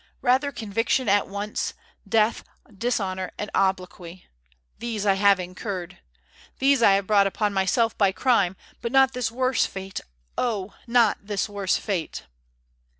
Rather conviction at once, death, dishonour, and obloquy. These I have incurred. These I have brought upon myself by crime, but not this worse fate oh! not this worse fate."